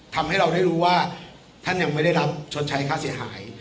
ทำให้เราได้รู้ว่าท่านยังไม่ได้รับชดใช้ค่าเสียหาย